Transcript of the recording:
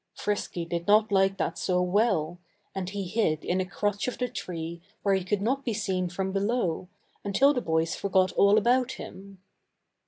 Frisky did not like that so well; and he hid in a crotch of the tree where he could not be seen from below, until the boys forgot all about him.